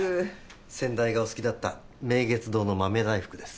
先代がお好きだった明月堂の豆大福です。